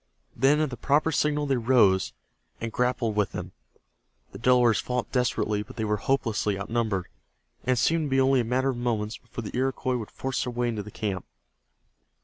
Then at the proper signal they rose, and grappled with them. The Delawares fought desperately, but they were hopelessly outnumbered, and it seemed to be only a matter of moments before the Iroquois would force their way into the camp.